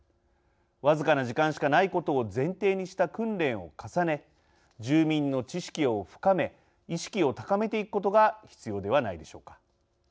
僅かな時間しかないことを前提にした訓練を重ね住民の知識を深め意識を高めていくことが必要ではないでしょうか。